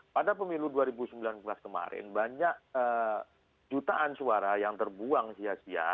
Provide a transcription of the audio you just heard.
pada pemilu dua ribu sembilan belas kemarin banyak jutaan suara yang terbuang sia sia